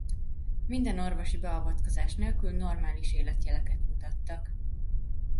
Minden orvosi beavatkozás nélkül normális életjeleket mutattak.